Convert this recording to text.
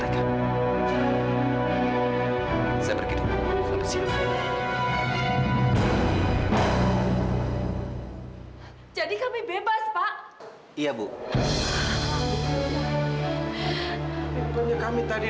kalau bukan tadi kalau saya mau